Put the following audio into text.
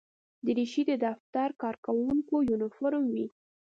دریشي د دفتر کارکوونکو یونیفورم وي.